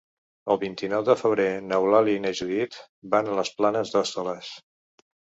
El vint-i-nou de febrer n'Eulàlia i na Judit van a les Planes d'Hostoles.